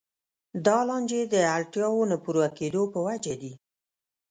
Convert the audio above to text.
دا لانجې د اړتیاوو نه پوره کېدو په وجه دي.